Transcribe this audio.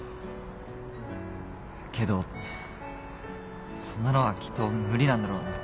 けどそんなのはきっと無理なんだろうな。